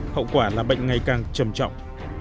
hậu quả là bệnh ngày càng trầm trọng